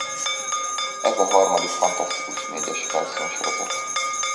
Ez a harmadik Fantasztikus Négyes rajzfilmsorozat.